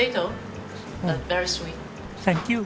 サンキュー。